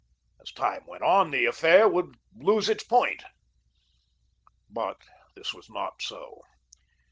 As time went on the affair would lose its point. But this was not so.